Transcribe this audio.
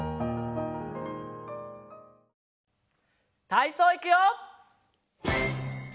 たいそういくよ！